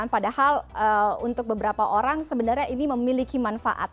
padahal untuk beberapa orang sebenarnya ini memiliki manfaat